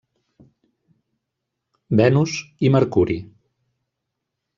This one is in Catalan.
Venus i Mercuri.